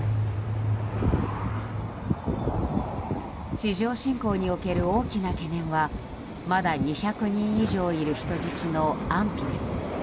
地上侵攻における大きな懸念はまだ２００人以上いる人質の安否です。